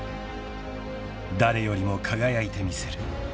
［誰よりも輝いてみせる］